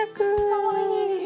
かわいい。